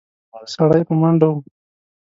سړی په منډه و.